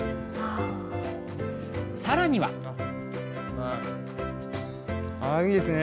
あ更にはあいいですね。